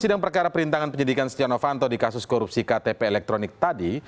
sedang perkara perintangan penyelidikan stianofanto di kasus korupsi ktp elektronik tadi